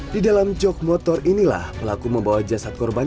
di dalam jog motor inilah pelaku membawa jasad korban